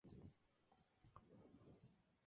Creó el cuerpo de bomberos de la ciudad de Punta Arenas.